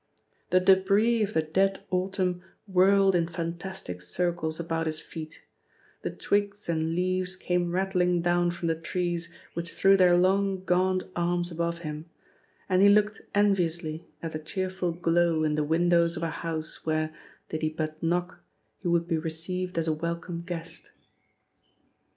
The debris of the dead autumn whirled in fantastic circles about his feet, the twigs and leaves came rattling down from the trees which threw their long gaunt arms above him, and he looked enviously at the cheerful glow in the windows of a house where, did he but knock, he would be received as a welcome guest.